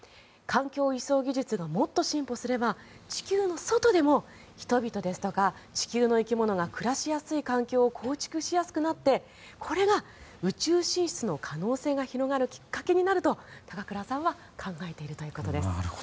環境移送技術がもっと進歩すれば地球の外でも人々ですとか地球の生き物が暮らしやすい環境を構築しやすくなってこれが宇宙進出の可能性が広がるきっかけになると高倉さんは考えているということです。